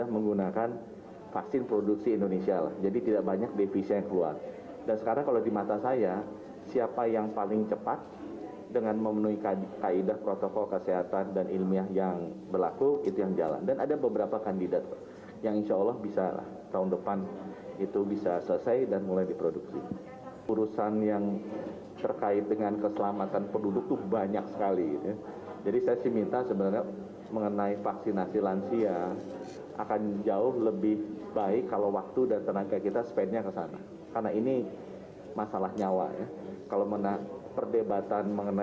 menurut bapak presiden vaksin nusantara sudah dihasilkan